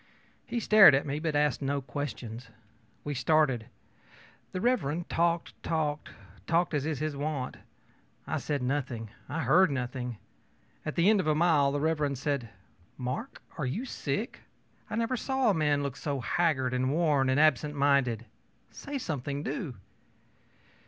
He stared at me, but asked no questions. We started. Mr. talked, talked, talked as is his wont. I said nothing; I heard nothing. At the end of a mile, Mr. said ōMark, are you sick? I never saw a man look so haggard and worn and absent minded. Say something, do!